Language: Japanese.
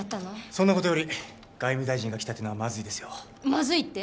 そんなことより外務大臣が来たってのはマズいですよマズいって？